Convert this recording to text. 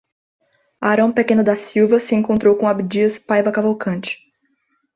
Aarão Pequeno da Silva se encontrou com Abdias Paiva Cavalcante